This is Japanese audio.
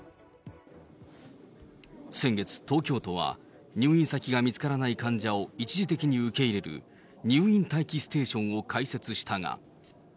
先月、東京都は、入院先が見つからない患者を一時的に受け入れる、入院待機ステーションを開設したが。